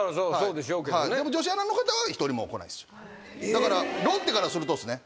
だからロッテからするとっすね